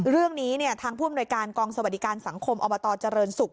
เรื่องนี้เนี่ยทางผู้บุญบริการกองสวัสดิการสังคมอจศุกร์